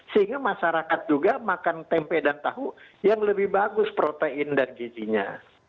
sehingga masyarakat juga makan tempe dan tahu yang lebih bagus protein dan gizinya